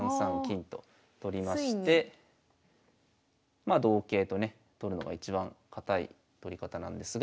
まあ同桂とね取るのが一番堅い取り方なんですが。